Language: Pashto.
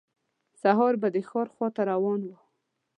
سهار به د ښار خواته روان و.